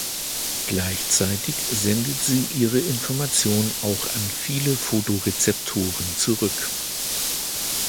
Gleichzeitig sendet sie ihre Information auch an viele Fotorezeptoren zurück.